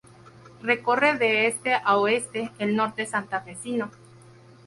Recorre de este a oeste, el norte santafesino.